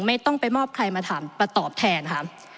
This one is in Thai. ไม่ต้องไปมอบใครมาถามมาตอบแทนค่ะ